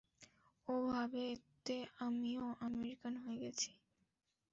ও ভাবে এতে আমিও আমেরিকান হয়ে গেছি।